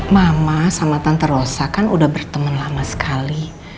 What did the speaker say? mama sama tante rosa kan udah berteman lama sekali